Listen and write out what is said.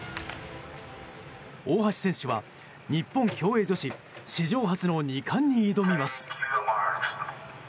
大橋選手は日本競泳女子史上初の２冠に挑みます。